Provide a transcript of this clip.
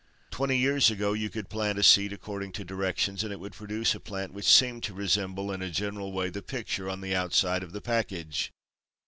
Twenty years ago you could plant a seed according to directions and it would produce a plant which seemed to resemble in a general way the picture on the outside of the package.